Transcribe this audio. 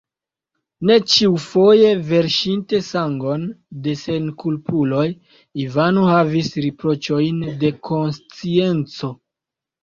Ne ĉiufoje, verŝinte sangon de senkulpuloj, Ivano havis riproĉojn de konscienco.